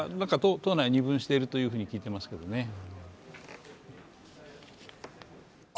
党内二分しているというふうに聞いていますけどね。